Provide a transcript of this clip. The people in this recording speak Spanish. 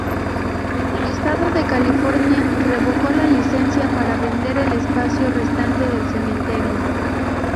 El estado de California revocó la licencia para vender el espacio restante del cementerio.